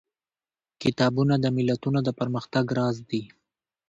کتابونه د ملتونو د پرمختګ راز دي.